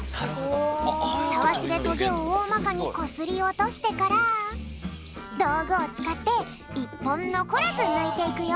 タワシでトゲをおおまかにこすりおとしてからどうぐをつかっていっぽんのこらずぬいていくよ。